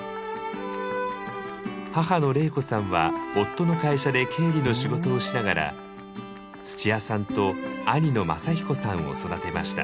母の玲子さんは夫の会社で経理の仕事をしながらつちやさんと兄の正彦さんを育てました。